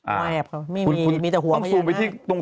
อ้าวไม่มีมีแต่หัวเขาอย่างน้อย